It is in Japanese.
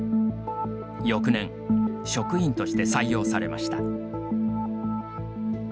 翌年、職員として採用されました。